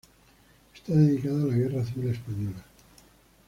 Está dedicada a la Guerra Civil Española.